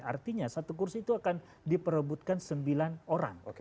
artinya satu kursi itu akan diperebutkan sembilan orang